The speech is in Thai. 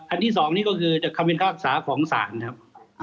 ที่๒นี่ก็คือจากคำพิพากษาของศาลครับ